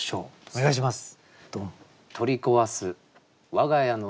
お願いします。